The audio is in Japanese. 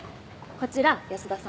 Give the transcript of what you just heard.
こちら安田さん。